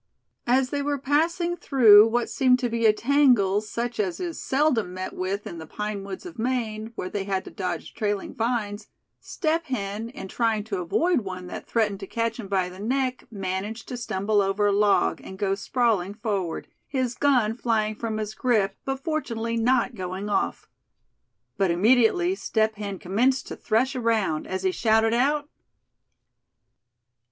As they were passing through what seemed to be a tangle such as is seldom met with in the pine woods of Maine, where they had to dodge trailing vines, Step Hen, in trying to avoid one that threatened to catch him by the neck, managed to stumble over a log, and go sprawling forward, his gun flying from his grip, but fortunately not going off. But immediately Step Hen commenced to thresh around, as he shouted out: "Thad!